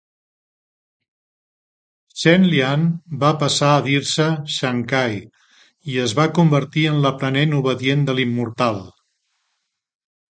Chen Lian va passar a dir-se Shancai i es va convertir en l'aprenent obedient de l'immortal.